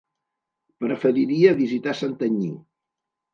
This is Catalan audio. Preferiria visitar Santanyí.